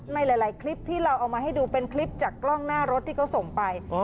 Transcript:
ในหลายคลิปที่เราเอามาให้ดูเป็นคลิปจากกล้องหน้ารถที่เขาส่งไป